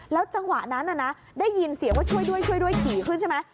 จังหวะนั้นได้ยินเสียงว่าช่วยด้วยช่วยด้วยผีขึ้นใช่ไหม